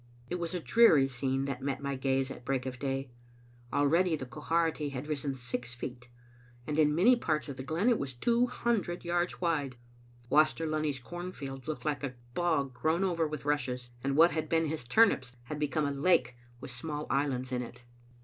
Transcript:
It was a dreary scene that met my gaze at break of day. Already the Quharity had risen six feet, and in many parts of the glen it was two hundred yards wide. Waster Lunny 's corn field looked like a bog grown over with rushes, and what had been his turnips had become a lake with small islands in it.